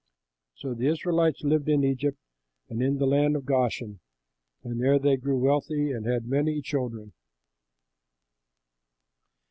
So the Israelites lived in Egypt, in the land of Goshen, and there they grew wealthy and had many children.